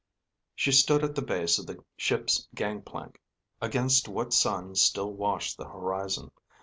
She stood at the base of the ship's gangplank, against what sun still washed the horizon.